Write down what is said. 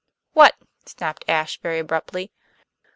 "What?" snapped Ashe very abruptly.